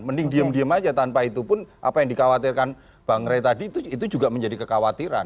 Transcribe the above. mending diem diem aja tanpa itu pun apa yang dikhawatirkan bang ray tadi itu juga menjadi kekhawatiran